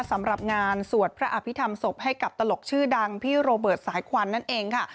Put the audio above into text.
สำหรับงานสวดพระอภิษฐรรมศพให้กับตลกชื่อดังพี่โรเบิร์ตสายควันนั่นเองค่ะ